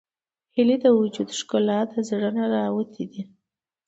هیلۍ د وجود ښکلا له زړه نه راوتې ده